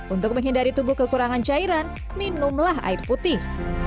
untuk menghindari tubuh kekurangan cairan minumlah air putih